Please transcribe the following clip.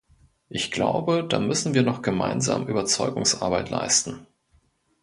Ich glaube, da müssen wir noch gemeinsam Überzeugungsarbeit leisten.